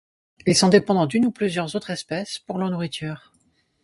Ils sont dépendants d'une ou plusieurs autres espèces pour leur nourriture.